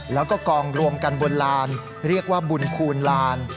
แล้วก็กองรวมกันบนลานเรียกว่าบุญคูณลาน